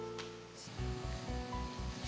nanti aku jemput kamu